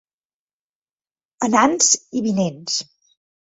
Anants i vinents.